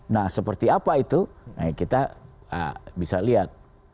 nah seperti apa itu kita bisa lihat